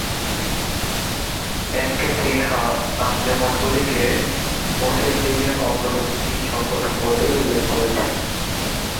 NK Sinha আঞ্জুমানগুলিকে মুসলিম লীগের অগ্রবর্তী সংগঠন বলেই উল্লেখ করেছেন।